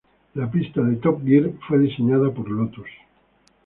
La pista de Top Gear fue diseñada por Lotus.